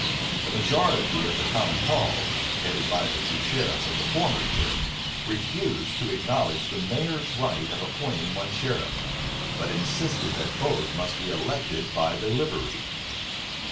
The majority of the common hall, headed by the two sheriffs of the former year, refused to acknowledge the mayor's right of appointing one sheriff, but insisted that both must be elected by the livery.